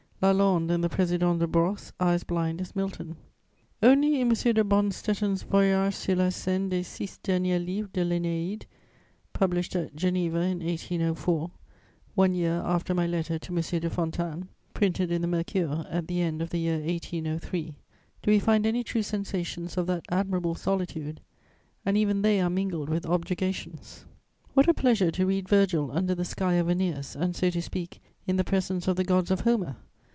Lalande and the Président De Brosses are as blind as Milton. Only in M. de Bonstetten's Voyage sur la scène des six derniers livres de l'Énéide, published at Geneva in 1804, one year after my Letter to M. de Fontanes (printed in the Mercure at the end of the year 1803), do we find any true sensations of that admirable solitude, and even they are mingled with objurgations: "What a pleasure to read Virgil under the sky of Æneas and, so to speak, in the presence of the gods of Homer!"